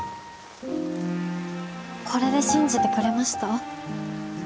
これで信じてくれました？